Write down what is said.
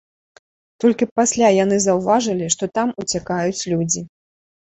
Толькі пасля яны заўважылі, што там уцякаюць людзі.